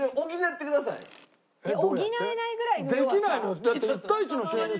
補えないぐらいの弱さ。